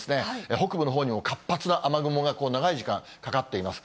北部のほうにも活発な雨雲が長い時間、かかっています。